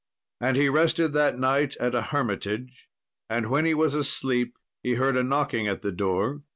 And he rested that night at a hermitage, and when he was asleep, he heard a knocking at the door.